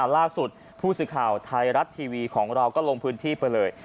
ล่าสุดผู้สื่อข่าวไทยรัฐทีวีของเราก็ลงพื้นที่ไปเลย